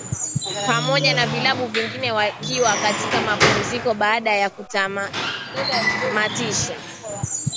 pamoja na vilabu vingine wakiwa katika mapumziko baada ya kutamatisha